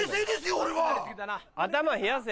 俺は。